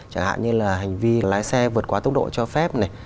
chẳng hạn như là hành vi lái xe vượt quá tốc độ cho phép này